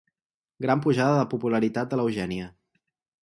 Gran pujada de popularitat de l'Eugènia.